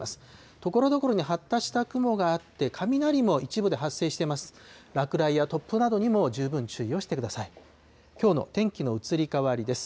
ところどころに発達した雲があって、雷も一部で発生しています。